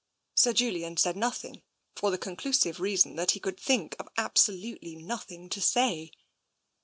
Sir Julian said nothing, for the conclusive reason that he could think of absolutely nothing to say.